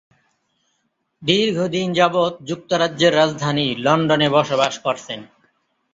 দীর্ঘদিন যাবত যুক্তরাজ্যের রাজধানী লন্ডনে বসবাস করছেন।